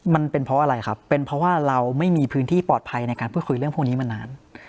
มันเป็นเพราะอะไรครับเป็นเพราะว่าเราไม่มีพื้นที่ปลอดภัยในการพูดคุยเรื่องพวกนี้มานาน